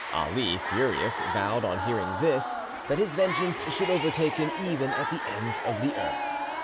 Ali, furious, vowed, on hearing this, that his vengeance should overtake him even at the ends of the earth.